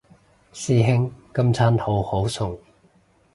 師兄今餐好好餸